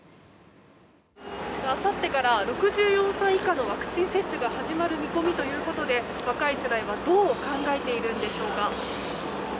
あさってから６４歳以下のワクチン接種が始まる見込みということで若い世代はどう考えているのでしょうか。